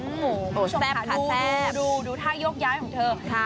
โอ้โหเพื่อนผู้ชมค่ะดูดูดูท่ายกย้ายของเธอค่ะ